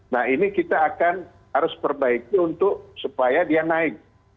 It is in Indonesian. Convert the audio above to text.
nah ini kita akan harus perbaiki untuk supaya dia naik